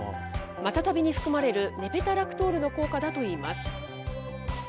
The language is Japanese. マタタビに含まれるネペタラクトールの効果だといいます。